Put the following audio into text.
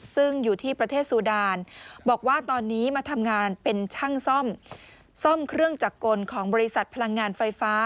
ซึ่งอยู่ที่ประเทศซูดานบอกว่าตอนนี้มาทำงานเป็นช่างซ่อมเครื่องจักรกลของบริษัทพลังงานไฟฟ้า